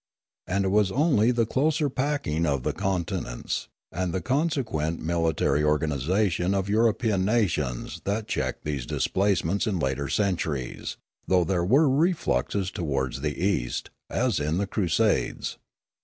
And it was only the closer packing of the continents, and the consequent military organisation of European nations that checked these displacements in later centuries, though there were refluxes towards the east, as in the crusades.